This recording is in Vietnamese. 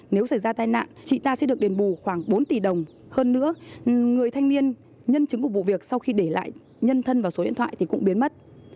nếu xảy ra tai nạn chị ta sẽ được đền bù khoảng bốn tỷ đồng hơn nữa người thanh niên nhân chứng của vụ việc sau khi để lại nhân thân vào số điện thoại thì cũng biến mất